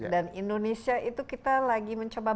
dan indonesia itu kita lagi mencoba